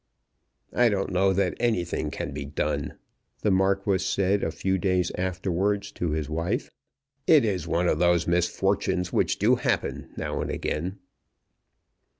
"I don't know that anything can be done," the Marquis said a few days afterwards to his wife. "It is one of those misfortunes which do happen now and again!"